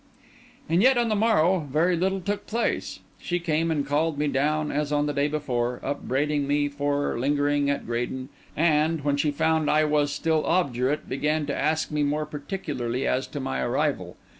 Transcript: And yet on the morrow very little took place. She came and called me down as on the day before, upbraided me for lingering at Graden, and, when she found I was still obdurate, began to ask me more particularly as to my arrival.